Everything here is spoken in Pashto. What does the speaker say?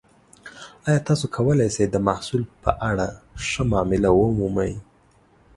ایا تاسو کولی شئ د محصول په اړه ښه معامله ومومئ؟